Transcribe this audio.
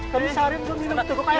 kami sarip untuk minum air